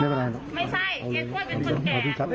ไม่ใช่เห็นพวกมันเป็นคนแก่